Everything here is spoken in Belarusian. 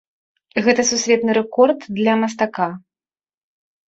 Гэта сусветны рэкорд для мастака.